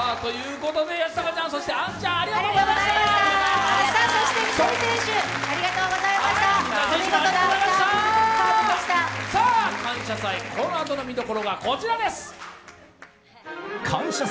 このあとの見どころはこちらです。